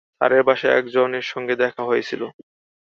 স্যারের বাসায় একজনের সঙ্গে দেখা হয়েছিল।